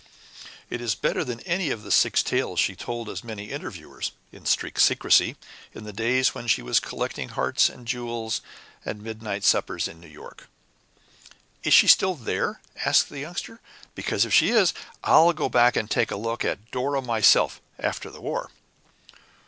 It is better than any of the six tales she told as many interviewers, in strict secrecy, in the days when she was collecting hearts and jewels and midnight suppers in New York." "Is she still there?" asked the Youngster, "because if she is, I'll go back and take a look at Dora myself after the war!"